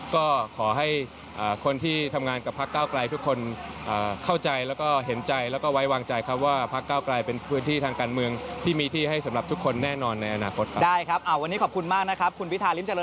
ก็ขอให้คนที่ทำงานกับพรรคเก้าไกล